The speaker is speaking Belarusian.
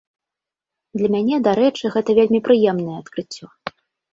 Для мяне, дарэчы, гэта вельмі прыемнае адкрыццё.